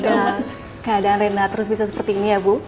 keadaan rena terus bisa seperti ini ya bu